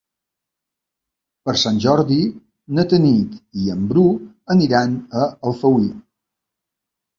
Per Sant Jordi na Tanit i en Bru aniran a Alfauir.